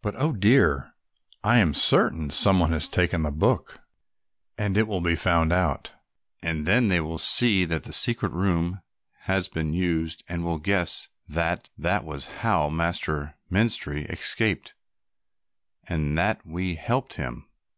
But, oh, dear, I am certain some one has taken the book and it will be found out, and then they will see that the secret room has been used and will guess that that was how Master Menstrie escaped and that we helped him.